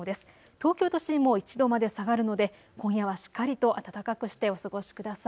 東京都心も１度まで下がるので今夜はしっかりと暖かくしてお過ごしください。